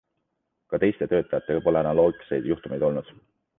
Ka teiste töötajatega pole analoogseid juhtumeid olnud.